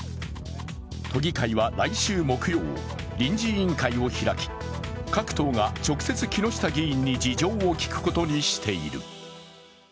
都議会は来週木曜、臨時委員会を開き、各党が直接、木下議員に事情を聴くことにしている。